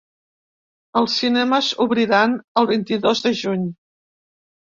Els cinemes obriran el vint-i-dos de juny.